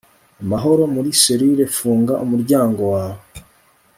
Amahoro muri selire Funga umuryango wawe